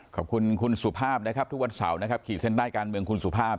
ขอบคุณคุณสุภาพนะครับทุกวันเสาร์นะครับขีดเส้นใต้การเมืองคุณสุภาพ